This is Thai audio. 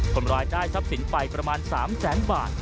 คนร้ายได้ทรัพย์สินไปประมาณ๓แสนบาท